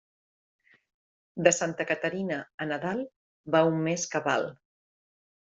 De Santa Caterina a Nadal va un mes cabal.